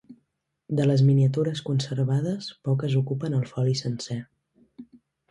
De les miniatures conservades, poques ocupen el foli sencer.